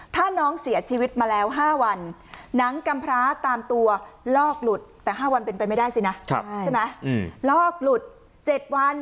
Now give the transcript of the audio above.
ถ้าน้องเสียชีวิตมาแล้ว๕วันหนังกำพร้าตามตัวลอกหลุดแต่๕วันเป็นไปไม่ได้สินะใช่ไหมลอกหลุด๗วัน